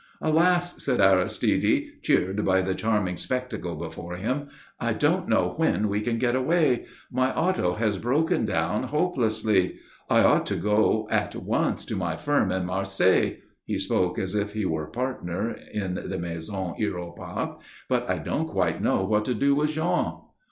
"Alas!" said Aristide, cheered by the charming spectacle before him. "I don't know when we can get away. My auto has broken down hopelessly. I ought to go at once to my firm in Marseilles" he spoke as if he were a partner in the Maison Hiéropath "but I don't quite know what to do with Jean."